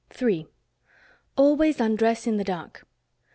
3. Always undress in the dark.